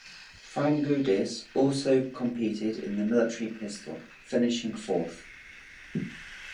Frangoudis also competed in the military pistol, finishing fourth.